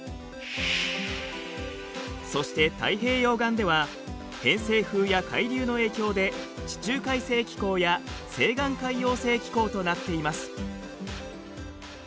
そして太平洋岸では偏西風や海流の影響で地中海性気候や西岸海洋性気候となっています。